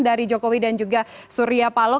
dari jokowi dan juga surya palo